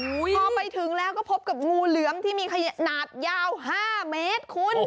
พอไปถึงแล้วก็พบกับงูเหลือมที่มีขนาดยาว๕เมตรคุณ